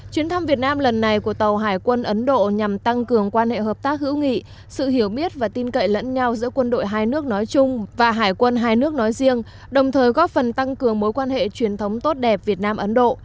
chuyến thăm việt nam lần này của tàu hải quân ấn độ nhằm tăng cường quan hệ hợp tác hữu nghị sự hiểu biết và tin cậy lẫn nhau giữa quân đội hai nước nói chung và hải quân hai nước nói riêng đồng thời góp phần tăng cường mối quan hệ truyền thống tốt đẹp việt nam ấn độ